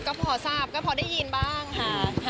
ก็พอทราบก็พอได้ยินบ้างค่ะ